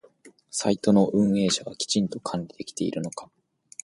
サイトの運営者はきちんと管理できているのか？